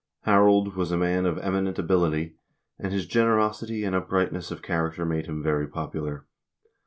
Harold was a man of eminent ability, and his generosity and upright ness of character made him very popular.